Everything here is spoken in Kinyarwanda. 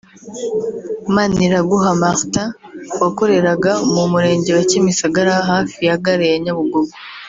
Maniraguha Martin wakoreraga mu murenge wa Kimisagara hafi ya Gare ya Nyabugogo